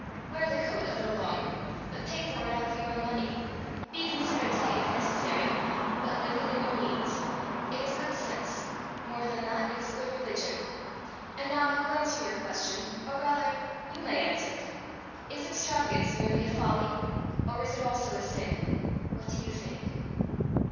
Wear the coat a little longer, but pay for it out of your own money. Be considered 'tight' if necessary, but live within your means. It is good sense; more than that, it is good religion. "And now I will answer your question, or rather, you may answer it: Is extravagance merely a folly, or is it also a sin? What do you think?"